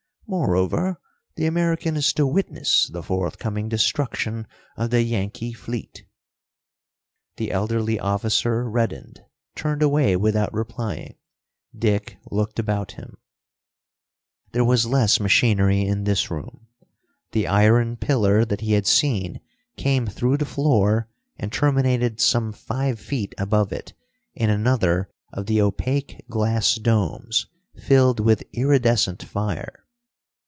"Moreover, the American is to witness the forthcoming destruction of the Yankee fleet." The elderly officer reddened, turned away without replying. Dick looked about him. There was less machinery in this room. The iron pillar that he had seen came through the floor and terminated some five feet above it in another of the opaque glass domes, filled with iridescent fire.